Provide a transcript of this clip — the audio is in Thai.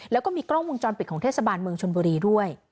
แล้วก็มีกล้องวงจรปิดของเทศบาลเมืองชนบุรีด้วย